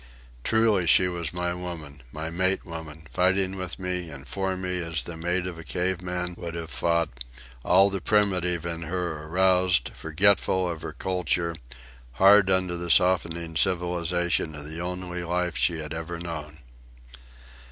Truly she was my woman, my mate woman, fighting with me and for me as the mate of a caveman would have fought, all the primitive in her aroused, forgetful of her culture, hard under the softening civilization of the only life she had ever known.